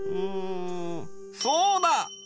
んそうだ！